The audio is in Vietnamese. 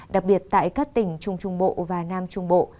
đặc biệt tại các tỉnh trung trung bộ và nam trung bộ